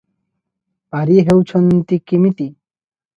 ପାରି ହେଉଛନ୍ତି କିମିତି?